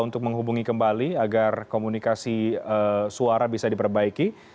untuk menghubungi kembali agar komunikasi suara bisa diperbaiki